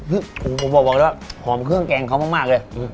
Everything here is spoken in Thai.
อุ้ยผมบอกว่าหอมเครื่องแกงเค้ามากเลย